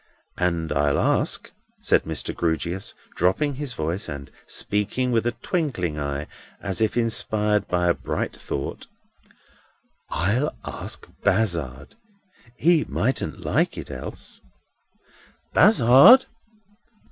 And I'll ask," said Mr. Grewgious, dropping his voice, and speaking with a twinkling eye, as if inspired with a bright thought: "I'll ask Bazzard. He mightn't like it else.—Bazzard!"